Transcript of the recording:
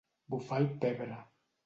Bufar el pebre.